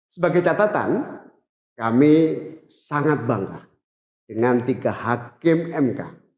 sebagai catatan kami sangat bangga dengan tiga hakim mk